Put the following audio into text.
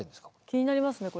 気になりますね